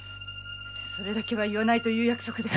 それだけは言わないという約束です。